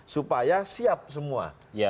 supaya siap semua